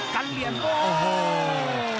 กันเหลี่ยมโอ้โห